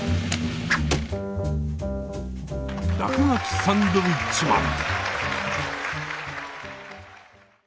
「らくがきサンドウィッチマン」。